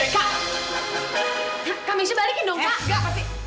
jangan sampai nyonya sama non yang gak lagi tuh ambil ini ya